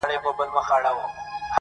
د مرغکیو د عمرونو کورګی؛